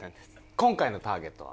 今回のターゲットは。